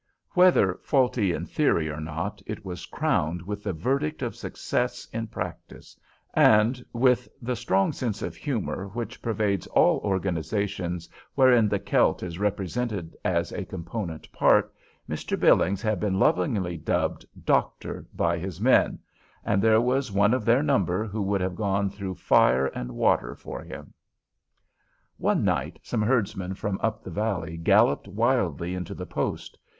Whether faulty in theory or not, it was crowned with the verdict of success in practice; and, with the strong sense of humor which pervades all organizations wherein the Celt is represented as a component part, Mr. Billings had been lovingly dubbed "Doctor" by his men, and there was one of their number who would have gone through fire and water for him. One night some herdsmen from up the valley galloped wildly into the post.